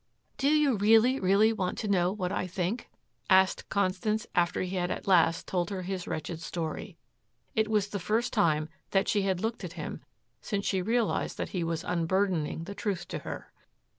"Do you really, really want to know what I think?" asked Constance after he had at last told her his wretched story. It was the first time that she had looked at him since she realized that he was unburdening the truth to her.